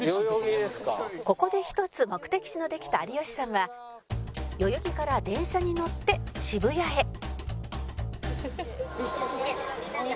「ここで１つ目的地のできた有吉さんは代々木から電車に乗って渋谷へ」